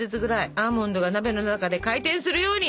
アーモンドが鍋の中で回転するように！